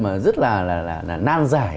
mà rất là nan giải